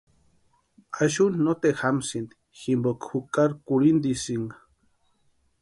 Axuni noteru jamsïnti jimpoka jukari kurhintisïnka.